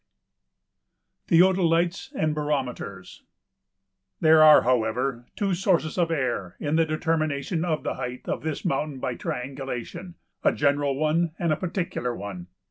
[Sidenote: Theodolites and Barometers] There are, however, two sources of error in the determination of the height of this mountain by triangulation a general one and a particular one.